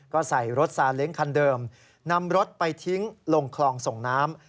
ก็ใส่รถซาเล้งคันเดิมนำรถไปทิ้งลงคลองส่งน้ำ